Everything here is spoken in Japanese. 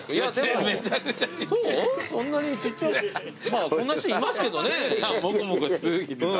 まあこんな人いますけどね。